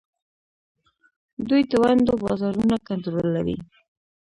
دوی د ونډو بازارونه کنټرولوي.